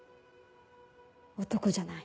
男じゃない。